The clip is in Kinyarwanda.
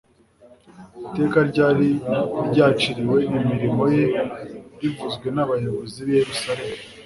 Iteka ryari ryaciriwe imirimo ye rivuzwe n'abayobozi b'i Yerusalemu,